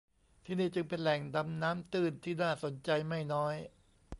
ที่นี่จึงเป็นแหล่งดำน้ำตื้นที่น่าสนใจไม่น้อย